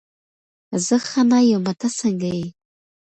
زه ښه نه یمه، ته څنګه یې؟